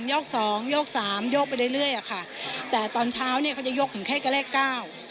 ยกสองโยกสามโยกไปเรื่อยเรื่อยอ่ะค่ะแต่ตอนเช้าเนี่ยเขาจะยกถึงแค่กระเลขเก้า